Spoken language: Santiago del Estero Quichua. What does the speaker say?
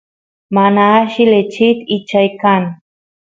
mana alli lechit ichay kan